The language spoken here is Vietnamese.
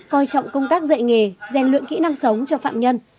coi trọng công tác dạy nghề rèn luyện kỹ năng sống cho phạm nhân